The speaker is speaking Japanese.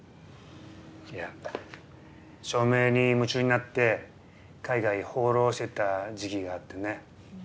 いや照明に夢中になって海外放浪してた時期があってね。